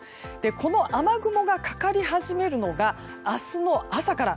この雨雲がかかり始めるのが明日の朝から。